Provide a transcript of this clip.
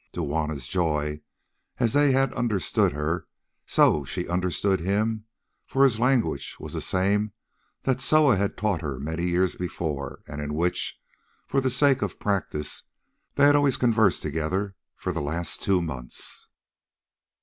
To Juanna's joy, as they had understood her, so she understood him, for his language was the same that Soa taught her many years before, and in which, for the sake of practice, they had always conversed together for the last two months.